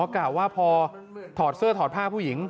กล่าวว่าพอถอดเสื้อถอดผ้าผู้หญิง